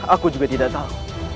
aku juga tidak tahu